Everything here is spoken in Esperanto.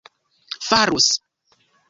farus